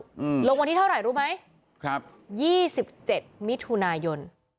ลงวันที่เท่าไหร่รู้ไหมครับยี่สิบเจ็ดมิถุนายน